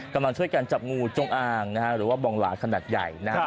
กำลังช่วยกันจับงูจงอางนะฮะหรือว่าบองหลาขนาดใหญ่นะครับ